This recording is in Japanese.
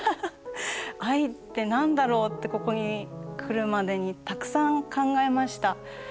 愛って何だろうってここに来るまでにたくさん考えました。